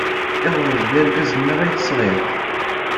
Iḍelli, d irkasen-a ay d-sɣiɣ.